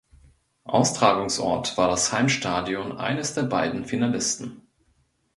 Austragungsort war das Heimstadion eines der beiden Finalisten.